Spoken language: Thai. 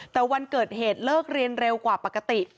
แต่วันเกิดเหตุเลิกเรียนเร็วกว่าปกติ